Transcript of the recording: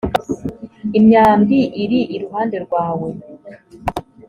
imyambi iri iruhande rwawe